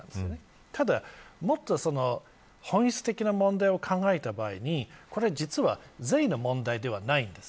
ただ、もっと本質的な問題を考えた場合に実は税の問題ではないんです。